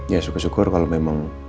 ya syukur syukur kalau memang